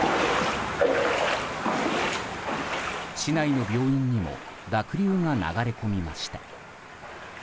市内の病院にも濁流が流れ込みました。